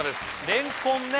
れんこんね